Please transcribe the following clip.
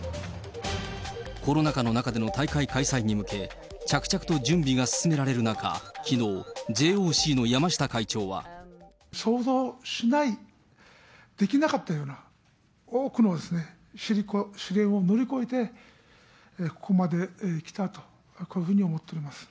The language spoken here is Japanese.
コロナ禍の中での大会開催に向け着々と準備が進められる中、きの想像しない、できなかったような、多くの試練を乗り越えて、ここまで来たと、こういうふうに思っております。